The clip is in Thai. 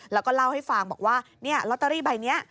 แล้วก็เล่าให้ฟังบอกว่าลอตเตอรี่ใบนี้